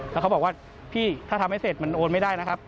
แล้วเขาบอกว่าพี่ถ้าทำให้เสร็จมันโอนไม่ได้นะครับ